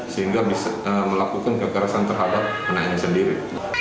sehingga bisa melakukan kekerasan terhadap anaknya sendiri